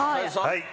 はい。